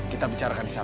kita bicarakan di sana